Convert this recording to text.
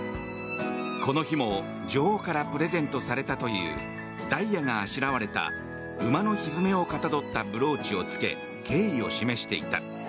この日も女王からプレゼントされたというダイヤがあしらわれた馬の蹄をかたどったブローチを着け敬意を示していた。